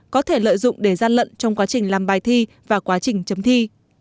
có thể lợi dụng để gian lận trong quá trình làm bài thi và quá trình chấm thi